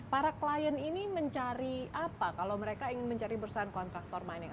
para klien ini mencari apa kalau mereka ingin mencari perusahaan kontraktor mining